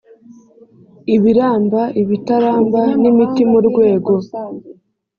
ibiramba ibitaramba n imiti mu rwego